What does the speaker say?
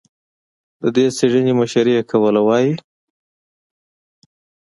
د دې څېړنې مشري یې کوله، وايي